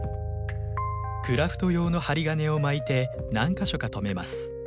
クラフト用の針金を巻いて何か所か留めます。